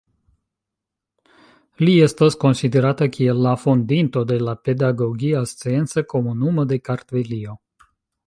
Li estas konsiderata kiel la fondinto de la Pedagogia Scienca Komunumo de Kartvelio.